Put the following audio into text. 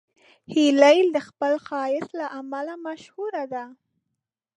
هیلۍ د خپل ښایست له امله مشهوره ده